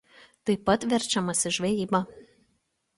Taip pat verčiamasi žvejyba.